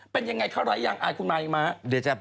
เป็นยังไงคะไร้อย่างอายคุณมาอีกมั้ยฮะ